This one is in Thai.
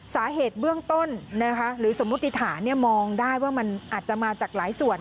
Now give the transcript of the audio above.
สาเหตุเบื้องต้นหรือสมมุติฐานมองได้ว่ามันอาจจะมาจากหลายส่วน